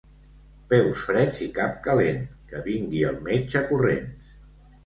Peus freds i cap calent, que vingui el metge corrents.